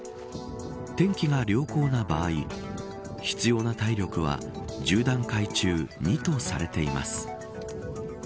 天気が良好な場合必要な体力は１０段階中２とされています。